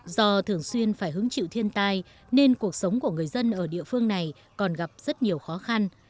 do thường xuyên phải hứng chịu thiên tai nên cuộc sống của người dân ở địa phương này còn gặp rất nhiều khó khăn